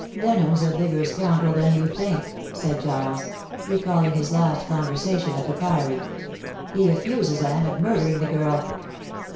"Denham's a bigger scoundrel than you think," said Giles, recalling his last conversation at the Priory. "He accuses Anne of murdering the girl."